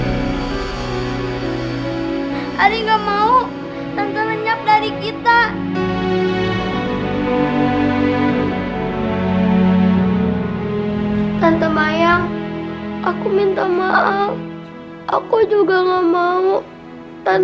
kok gak mau ngabarin aku dulu mau dateng kesini